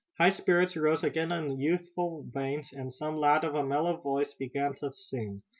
High spirits rose again in youthful veins, and some lad of a mellow voice began to sing.